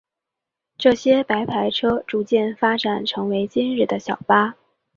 这些白牌车逐渐发展成为今日的小巴。